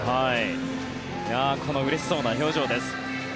このうれしそうな表情です。